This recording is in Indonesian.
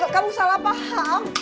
kamu salah paham